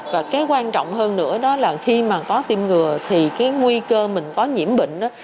và cái quan trọng hơn nữa đó là khi mà có tiêm ngừa thì cái nguy cơ mình có nhiễm bệnh